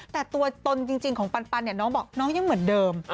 แต่ตัวตนจริงของปันเนี่ยน้องบอกน้องยังเหมือนเดิม